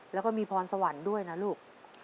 แล้วก็มีพรสวรรค์ด้วยนะลูก